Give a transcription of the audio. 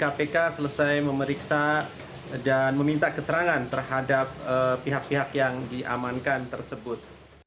kami akan terus berusaha untuk memeriksa dan meminta keterangan terhadap pihak pihak yang diamankan tersebut